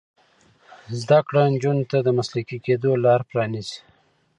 زده کړه نجونو ته د مسلکي کیدو لار پرانیزي.